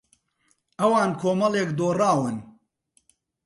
ئەوان کۆمەڵێک دۆڕاون.